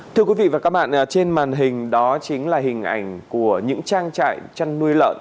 thưa quý vị và các bạn trên màn hình đó chính là hình ảnh của những trang trại chăn nuôi lợn